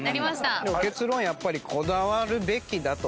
結論やっぱりこだわるべきだと。